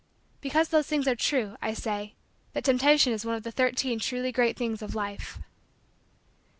Because those things are true, I say: that Temptation is one of the Thirteen Truly Great Things of Life.